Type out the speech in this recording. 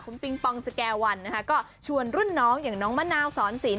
คุณปิงปองสแก่วันนะคะก็ชวนรุ่นน้องอย่างน้องมะนาวสอนสิน